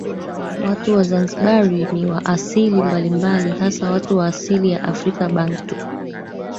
Watu wa Zanzibar ni wa asili mbalimbali hasa watu wa asili ya Afrika Bantu